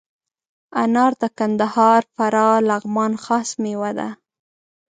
انار د کندهار، فراه، لغمان خاص میوه ده.